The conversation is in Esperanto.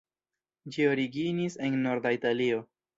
Ĝi originis en norda Italio.